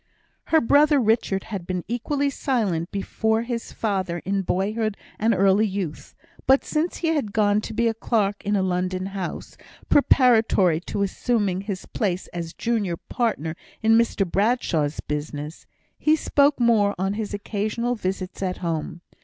Her brother Richard had been equally silent before his father in boyhood and early youth; but since he had gone to be clerk in a London house, preparatory to assuming his place as junior partner in Mr Bradshaw's business, he spoke more on his occasional visits at home.